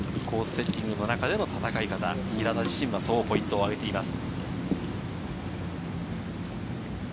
セッティングの中での戦い方、平田は、そうポイントを挙げています。